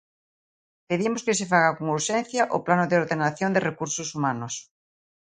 Pedimos que se faga con urxencia o plano de ordenación de recursos humanos.